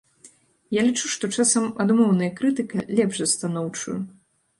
Я лічу, што часам адмоўная крытыка лепш за станоўчую.